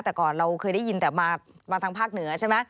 แต่ก่อนเราเคยได้ยินแต่มาทางภาคเหนือใช่ไหม